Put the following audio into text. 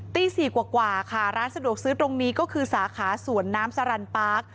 ตี๔กว่าค่ะร้านสะดวกซื้อตรงนี้ก็คือสาขาสวนน้ำสรรปาร์ค